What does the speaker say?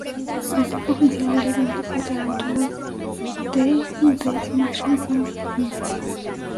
El tema oficial del evento fue Tarantula, de The Smashing Pumpkins.